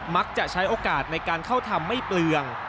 มักจะใช้โอกาสในการเข้าทำไม่เปลือง